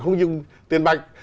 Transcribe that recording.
không dùng tiền mặt